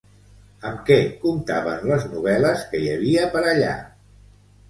Amb què comptaven les novel·les que hi havia per allà?